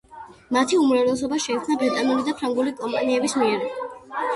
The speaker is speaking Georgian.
მათი უმრავლესობა შეიქმნა ბრიტანული და ფრანგული კომპანიების მიერ.